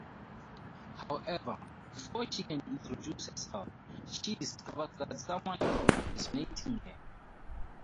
However, before she can introduce herself, she discovers that someone is impersonating her.